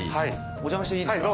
お邪魔していいですか？